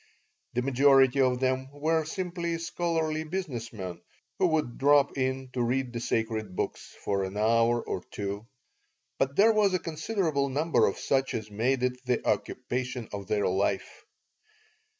The majority of them were simply scholarly business men who would drop in to read the sacred books for an hour or two, but there was a considerable number of such as made it the occupation of their life.